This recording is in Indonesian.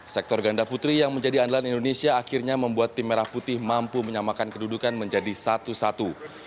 sektor ganda putri yang menjadi andalan indonesia akhirnya membuat tim merah putih mampu menyamakan kedudukan menjadi satu satu